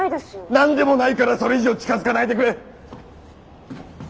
何でもないからそれ以上近づかないでくれッ！